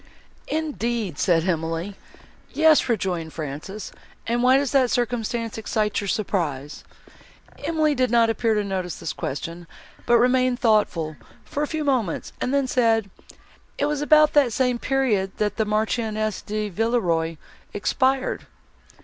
"Indeed!" said Emily. "Yes," rejoined Frances, "and why does that circumstance excite your surprise?" Emily did not appear to notice this question, but remained thoughtful, for a few moments, and then said, "It was about that same period that the Marchioness de Villeroi expired."